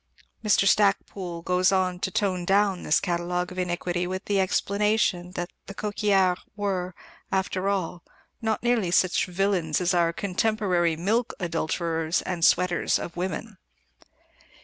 Mr. Stacpoole goes on to tone down this catalogue of iniquity with the explanation that the Coquillards were, after all, not nearly such villains as our contemporary milk adulterators and sweaters of women.